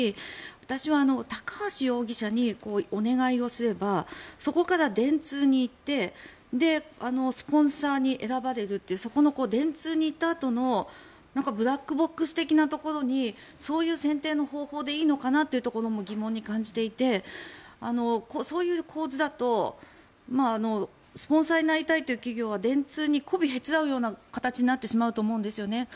私は高橋容疑者にお願いをすればそこから電通に行ってスポンサーに選ばれるというそこの電通に行ったあとのブラックボックス的なところにそういう選定の方法でいいのかなっていうところも疑問に感じていてそういう構図だとスポンサーになりたいという企業が電通にこびへつらうような形になってしまうと思うんですよね。